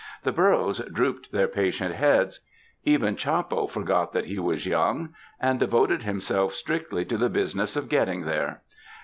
The burros drooped their patient heads; even Chappo forgot that he was young, and devoted himself strictly to the business of ''getting there."